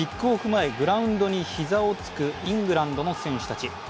前、グラウンドに膝をつくイングランドの選手たち。